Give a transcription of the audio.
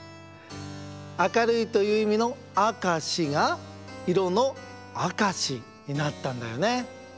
明るいといういみの明しがいろの「赤し」になったんだよね。